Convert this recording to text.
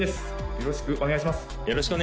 よろしくお願いします